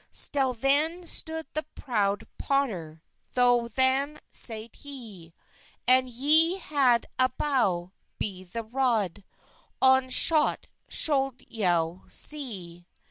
Stell then stod the prowde potter, Thos than seyde he; "And y had a bow, be the rode, On schot scholde yow se."